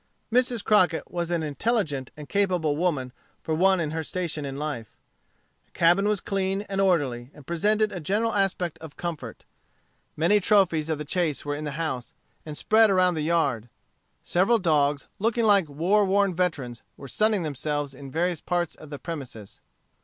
Mrs. Crockett was an intelligent and capable woman for one in her station in life. The cabin was clean and orderly, and presented a general aspect of comfort. Many trophies of the chase were in the house, and spread around the yard. Several dogs, looking like war worn veterans, were sunning themselves in various parts of the premises.